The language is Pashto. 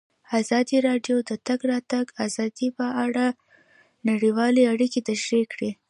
ازادي راډیو د د تګ راتګ ازادي په اړه نړیوالې اړیکې تشریح کړي.